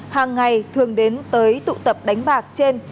hàng ngày thường đến tới tụ tập đánh bạc trên